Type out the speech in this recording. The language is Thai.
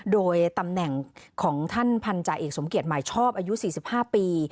โดยตำแหน่งของท่านพันธาเอกสมเกียจหมายชอบอายุ๔๕ปี